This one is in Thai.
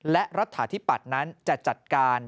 และรัฐาธิปัตย์นั้นจะจัดการ